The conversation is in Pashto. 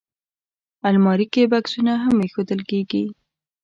الماري کې بکسونه هم ایښودل کېږي